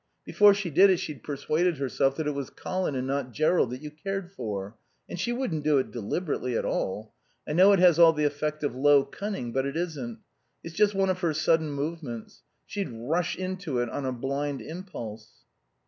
Before she did it she'd persuaded herself that it was Colin and not Jerrold that you cared for. And she wouldn't do it deliberately at all. I know it has all the effect of low cunning, but it isn't. It's just one of her sudden movements. She'd rush into it on a blind impulse."